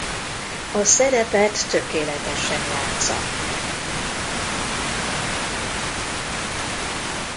A szerepet tökéletesen játssza.